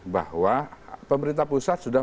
bahwa pemerintah pusat sudah